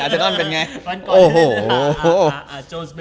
โจ้นซ์เบอร์ลิ้งทำ